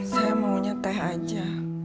saya maunya teh aja